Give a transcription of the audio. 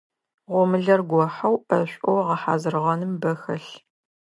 Гъомылэр гохьэу, ӏэшӏоу гъэхьазырыгъэным бэ хэлъ.